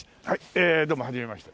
えどうもはじめまして。